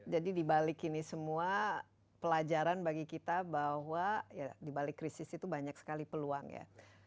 jadi dibalik ini semua pelajaran bagi kita bahwa dibalik krisis itu banyak sekali peluang ya